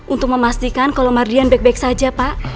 untuk memastikan kalau mardian baik baik saja pak